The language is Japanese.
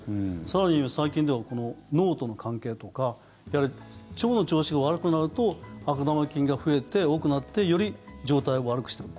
更には最近では脳との関係とか腸の調子が悪くなると悪玉菌が増えて、多くなってより状態を悪くしてる。